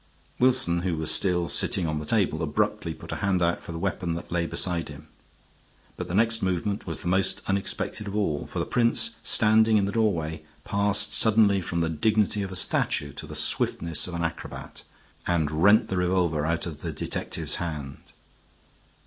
Wilson, who was still sitting on the table, abruptly put a hand out for the weapon that lay beside him. But the next movement was the most unexpected of all, for the prince standing in the doorway passed suddenly from the dignity of a statue to the swiftness of an acrobat and rent the revolver out of the detective's hand.